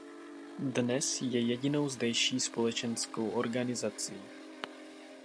Dnes je jedinou zdejší společenskou organizací.